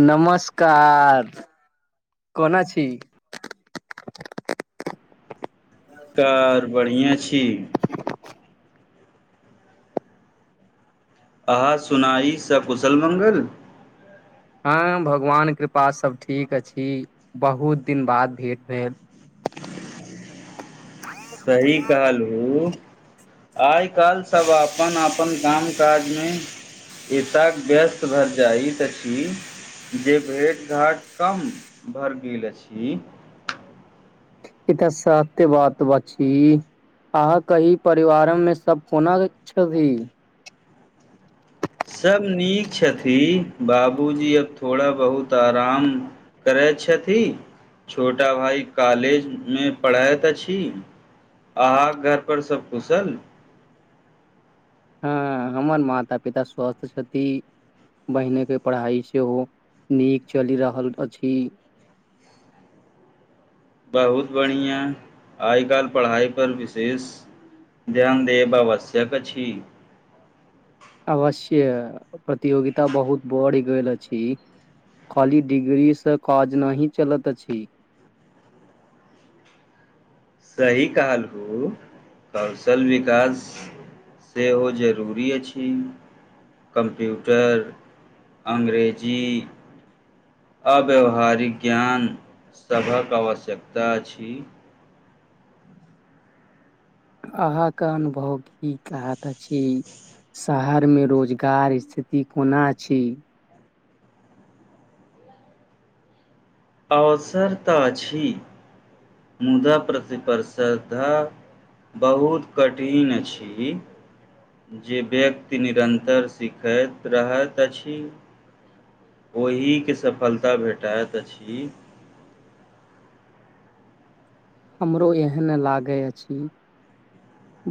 नमस्कार कोना छी कार बढ़िआं छी अहा सुोनाइ सब कुशल मंगल हँ भगवान कृपा सभ ठीक अछि बहुत दिन बाद भेट भेल [inaudible] सही कहल हू आइ काल सब अपन अपन काम काजमे एताक व्यस्त भऽ जाइत अछि जे भेट घाट कम भर गेल अछि ई तऽ सत्य वात बा छी अहाँ की परिवार मे सब कोना छथि सभ नीक छथि बाबूजी अब थोड़ा बहुत आराम करैत छथि छोटा भाइ कॉलेजमे पढ़ैत अछि अहाँ घरपर सभ कुशल हँ हमर माता पिता स्वस्थ छथिथी बहिनेके पढ़ाइ सेहो नीक चलि रहल अछि [inaudible] बहुत बढ़िआँ आइ काल्हि पढ़ाइपर विशेष ध्यान देब आवश्यक अछि अवश्य प्रतियोगिता बहुत बढ़ि गेल अछि खाली डिग्रीसँ काज नहि चलत अछि [inaudible] सही कहलहू कौशल विकास सेहो जरूरी अछि कम्प्यूटर अंग्रेजी अव्याववहारिक ज्ञान सभक आवश्यकता अछि अहाँके अनुभव की कहत अछि शहरमे रोजगार स्थिति कोना अछि अवसर तऽ अछि मुदा प्रति प्रतिस्पर्धा बहुत कठिन अछि जे व्यक्ति निरन्तर सीखैत रहैत अछि ओहि के सफलता भेटाइत अछि हमरो एहन लागै अछि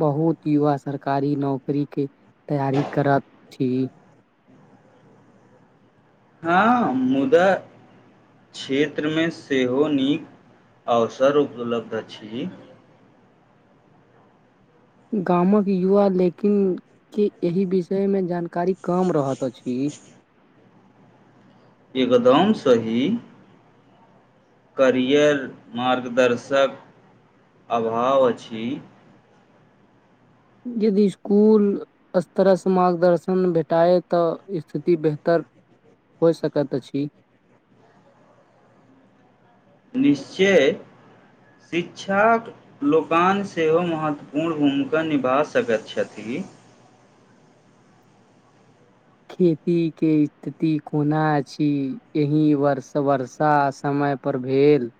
बहुत युवा सरकारी नौकरी के तैयारी करत अछि [inaudible] हँ मुदा क्षेत्रमे सेहो नीक अवसर उपलब्ध अछि गामक युवा लेकिन के एहि विषय मे जानकारी कम रहैत अछि [inaudible] एकदम सही करियर मार्गदर्शक अभाव अछि यदि स्कुल स्तरसँ मार्गदर्शन भेटाए तऽ स्थिति बेहतर हो सकैत अछि निश्चय शिक्षाक लोकान सेहो महत्वपूर्ण भूमिका निभा सकैत छथि की खेतीके स्थिति कोना अछि एहि व वर्षा समय पर भेल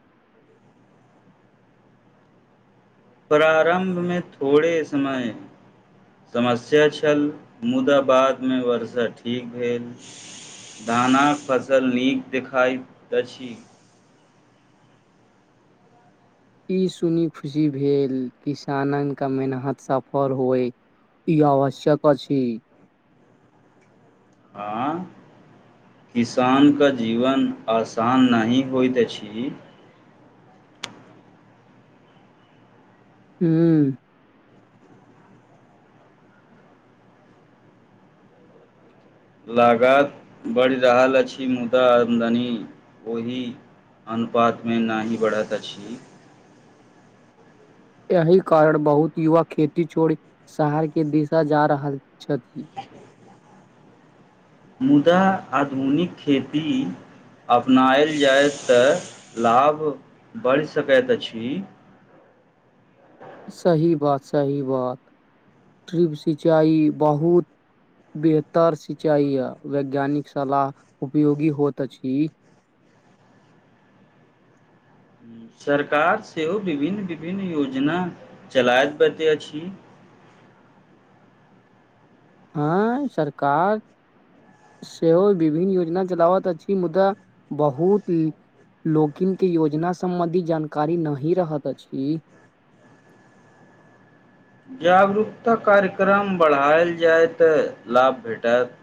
प्रारंभ मे थोड़े समय समस्या छल मुदा बादमे वर्षा ठीक भेल धानाक फसल नीक देखाइत अछि ई सुनी खुशी भेल किसाननका मेनहत सफल होय ई आवश्यक अछि आंय किसानके जीवन आसान नहि होइत अछि हूँ लागात बढ़ि रहल अछि मुदा आमदनी ओहि अनुपातमे नहि बढ़ैत अछि एहि कारण बहुत युवा खेती छोड़ी शहर के दिशा जा रहल छथि मुदा आधुनिक खेती अपनायल जाय तऽ लाभ बढ़ि सकैत अछि सही बात सही बात सीब सिचाई बहुत बेहतर सिंचाइ आ वैज्ञानिक सलाह उपयोगी होइत अछि [inaudible] सरकार सेहो विभिन्न विभिन्न योजना चलाय पते अछि [inaudible] हँ सरकार सेहो विभिन्न योजना चलावत अछि मुदा बहुत ल लोकिनके योजना सम्बन्धी जानकारी नहि रहत अछि [inaudible] जागरूकता कार्यक्रम बढ़ायल जाय तऽ लाभ भेटत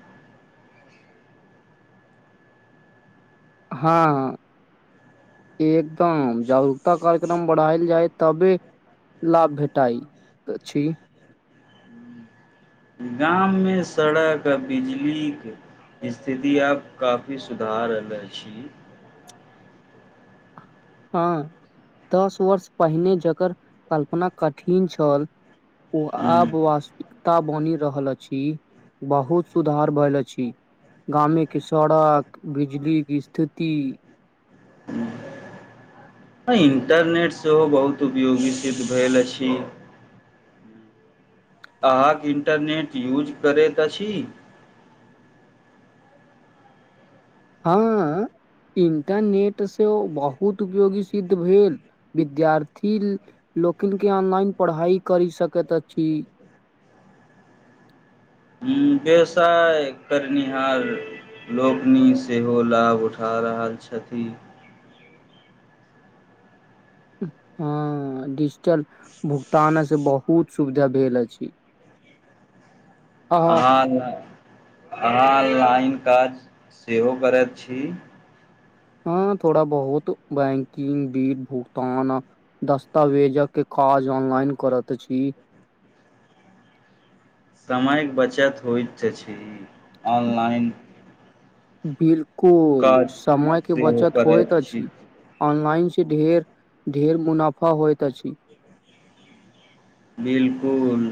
हँ एकदम जागरूकता कार्यक्रम बढ़ायल जाय तबे लाभ भेटाइ अछि गाममे सड़क आ बिजलीक स्थिति आब काफी सुधार रहल अछि हँ दस वर्ष पहिने जकर कल्पना कठिन छल ओ हूँ आब वास्त ता बनि रहल अछि बहुत सुधार भेल अछि गामे के सड़क बिजली कि स्थिति इंटरनेट सेहो बहुत उपयोगी सिद्ध भेल अछि अहाँक इंटरनेट यूज करैत अछि हँ इंटरनेट से बहुत उपयोगी सिद्ध भेल विद्यार्थी लोकनि के ऑनलाइन पढ़ाइ करि सकैत अछि [inaudible] ह्म व्यवसाय करनिहार लोकनि सेहो लाभ उठा रहल छथि हँ डिजिटल भुगतान से बहु बहुत सुविधा भेल अछि अहाँ हाँ हाँ लाइन काज सेहो करैत छी हँ थोड़ा बहुत बैंकिंग बिल भुगतान दस्तावेजक काज ऑनलाइन करत अछी समयके बचत होइत त छी ऑनलाइन बिलकुल काज समय के सेहो बचत करैत होइत छी अछि ओन पानिसे ढेर ढेर मुनाफा होइत अछि बिलकुल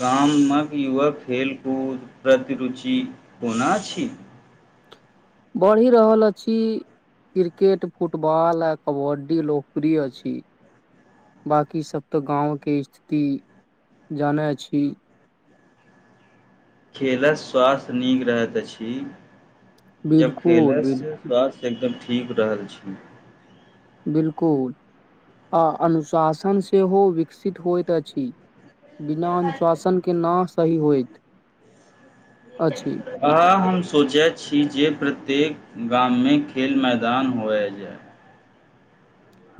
गामक युवक खेलकूद प्रति रुचि कोना अछि बढ़ि रहल अछि क्रिकेट फुटबल आ कबड्डी लोकोकप्रिय अछि बाँकीसभ तऽ गांवके स्थिति जानै छी खेलअस स्वास्थ्य नीक रहैत अछि जब बिलकुल खेलयसँ बिलकुल स्वास्थ्य एकदम ठीक रहल छै बिलकुल आ अनुशासन सेहो विकसित होइत अछि बिना अनुशाशनके न सही होइत अछि ह हम सोचै छी जे प्र प्रत्येक गाममे खेल मैदान होए जाय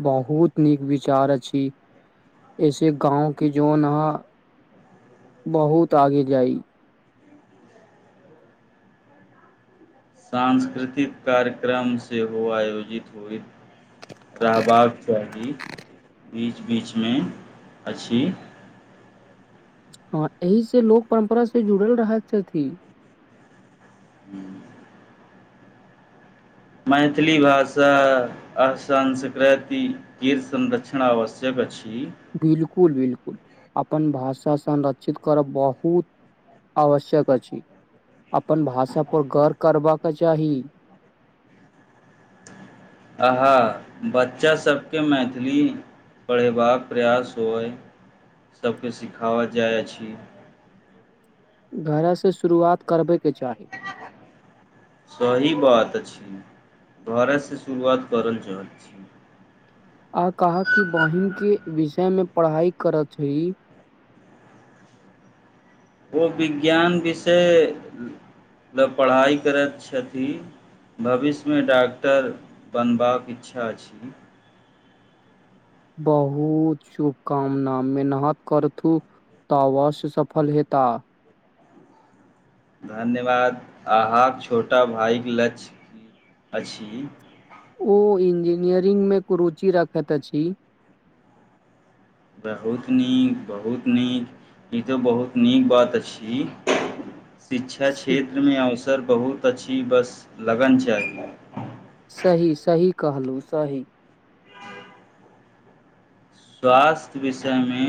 बहुत नीक विचार अछि। ऐसे गाँव के जो नह बहुत आगे जाइ। सांस्कृतिक कार्यक्रम सेहो आयोजित होय। राहबाक चाहि। बीच बीचमे अछि हँ एहिसँ लोक परम्परा से जुड़ल रहत छथि ह् [inaudible] मैथिली भाषा आ संस्कृति केर संरक्षण आवश्यक अछि बिलकुल बिलकुल अपन भाषा संरक्षित करब बहुत आवश्यक अछि अपन भाषा पर गौर करबाक चाही अहा बच्चासभके मैथिली पढ़यबाक प्रयास होइ सभकेँ सिखावल जाइ अछि घरे से शुरुआत करबै सही बात अछि घरेसँ शुरुआत करल चाहैत छी आ कह कि बहिन के विषय मे पढ़ाई करत छै ओ विज्ञान विषय ल पढ़ाइ करैत छथि भविष्यमे डाक्टर बनबाक इच्छा छी बहुत शुभकामना मेनहत करथू। तऽ अवश्य सफल हेता। धन्यवाद अहाँक छोटा भायक लक्ष्य की अछि। ओ इंजीनियरिंगमे कुरुचि रखैत अछि। बहुत नीक बहुत नीक ई तऽ बहुत नीक बात अछि। [inaudible] शिक्षा सि- क्षेत्रमे अवसर बहुत अछि बस लगन चाही। सही सही कहलु सही। स्वास्थ्य विषयमे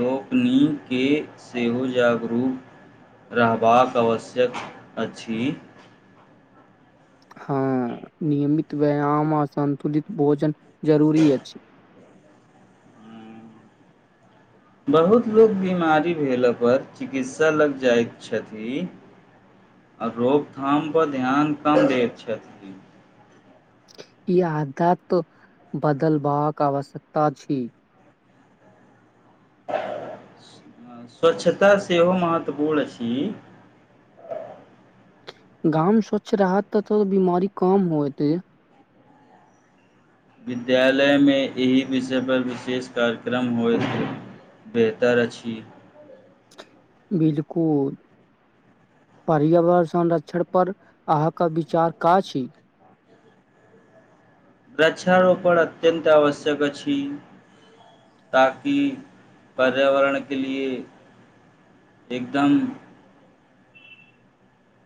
लोकनिकेँ सेहो जागरूक रहबाक आवश्यक अछि। हँ नियमित व्यायाम आ संन्तुलित भोजन जरूरी अछि। बहुत लोक बीमारी भेलापर चिकित्सा लग जाइत छथि। आ रोकथामपर ध्यान कम दैत छथिन। ई आदत बदलबाक आवश्यकता अछि। [inaudible] स्वच्छता सेहो महत्वपूर्ण अछि। गाम स्वच्छ रहत तो बीमारी कम होतै। विद्यालयमे एहि विषय पर विशेष कार्यक्रम होइत अछि। बेहतर अछि। बिलकुल पर्यावरण संरक्षण पर अहाँके विचार का छी? वृक्षारोपण अत्यंत आवश्यक अछि। ताकि पर्यावरणके लिए एकदम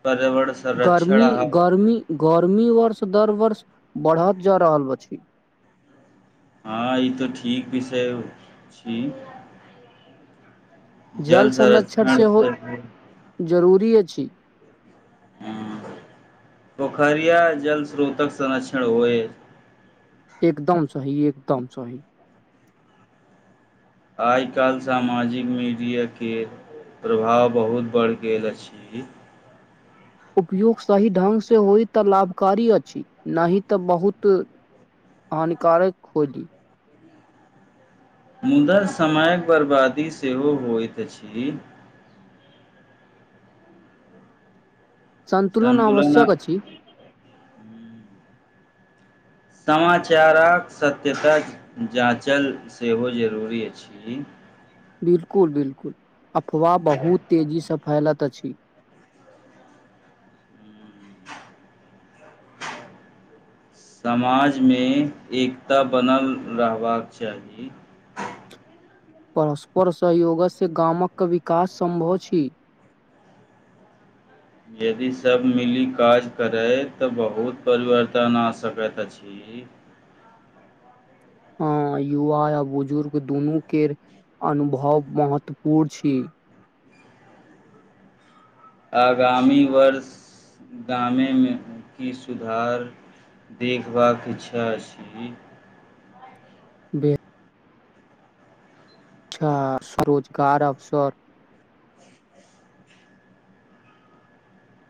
पर्यावरण संरक्षण गर्मी अहाँ गर्मी गर्मी वर्ष दर वर्ष बढ़त जा रहल अछि। हँ ई तऽ ठीक विषय छी। जल संरक्षण सेहो जरूरी अछि। पोखरिया जल स्रोतक संरक्षण होय एकदम सही एकदम सही आइ काल सामाजिक मीडिया के प्रभाव बहुत बढ़ गेल अछि उपयोग सही ढ्ंग से होइ तऽ लाभकारी अछि, नहि तऽ बहुत हानिकारक खोजी मुदा समयक बर्बादी सेहो होइत अछि। सन्तुलन संन्तुलन आ आवश्यक अछि। समाचारक सत्यताक जाँचल सेहो जरूरी अछि। बिलकुल बिलकुल अफवाह बहुत तेजी से फैलत अछि। [unintelligible] समाजमे एकता बनल रहबाक चाही। परस्पर सहयोगसँ गामक विकास सम्भव छी। यदि सब मिली काज करै तऽ बहुत परिवर्तन आ सकैत अछि। एक हँ युवा आ बुजुर्ग दुनू के अनुभव महत्वपूर्ण छी। आगामी वर्ष गामेमे की सुधार देखबाक इच्छा छी। बे अच्छा स्वरोजगार अवसर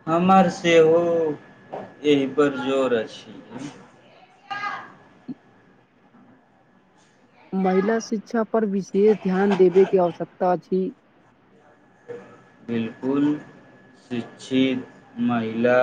हमर सेहो एहिपर जोर अछि [inaudible] महिला शिक्षा पर विशेष ध्यान देबेके आवश्यकता अछि बिलकुल शिक्षित महिला